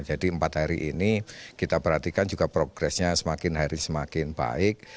jadi empat hari ini kita perhatikan juga progresnya semakin hari semakin baik